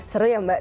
seru ya mbak